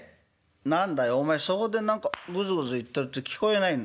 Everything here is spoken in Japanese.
何だよお前そこで何かぐずぐず言ってると聞こえないんだ。